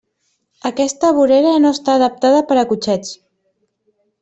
Aquesta vorera no està adaptada per a cotxets.